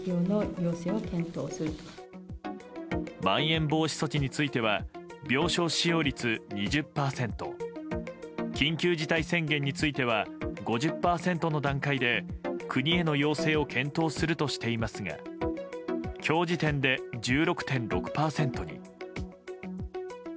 まん延防止措置については病床使用率２０％緊急事態宣言については５０％の段階で国への要請を検討するとしていますが今日時点で１６．６％に。